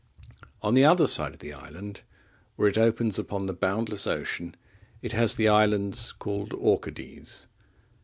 On the other side of the island, where it opens upon the boundless ocean, it has the islands called Orcades.